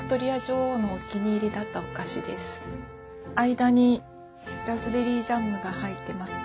間にラズベリージャムが入ってます。